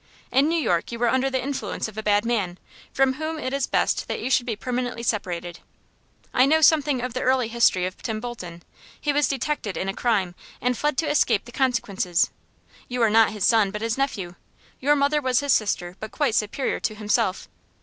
In New York you were under the influence of a bad man, from whom it is best that you should be permanently separated. I know something of the early history of Tim Bolton. He was detected in a crime, and fled to escape the consequences. You are not his son, but his nephew. Your mother was his sister, but quite superior to himself.